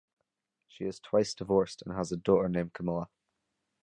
She is twice divorced, and has a daughter named Camilla.